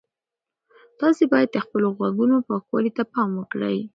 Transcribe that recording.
تاسي باید د خپلو غوږونو پاکوالي ته پام وکړئ.